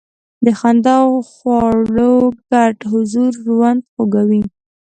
د خندا او خواړو ګډ حضور ژوند خوږوي.